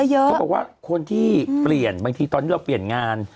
เขาบอกว่าคนที่เปลี่ยนบางทีตอนนี้เราเปลี่ยนงาน